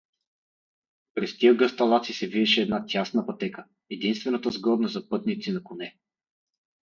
През тия гъсталаци се виеше една тясна пътека, единствената сгодна за пътници на коне.